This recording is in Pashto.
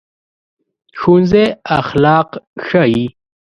ښوونځی اخلاق ښيي